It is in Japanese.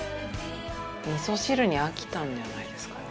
みそ汁に飽きたんじゃないですかね。